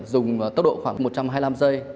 dùng tốc độ khoảng một trăm hai mươi năm giây